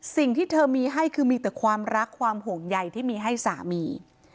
สิ่งที่เธอมีให้คือมีแต่ความรักความห่วงใยที่มีให้สามี